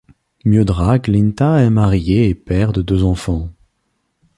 Miodrag Linta est marié et père de deux enfants.